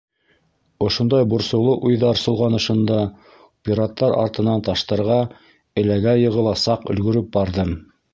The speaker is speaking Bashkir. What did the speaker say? Ошондай борсоулы уйҙар солғанышында пираттар артынан таштарға эләгә-йығыла саҡ өлгөрөп барҙым.